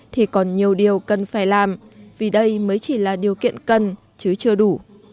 thì còn nhiều điều cần phải làm vì đây mới chỉ là điều kiện cần chứ chưa đủ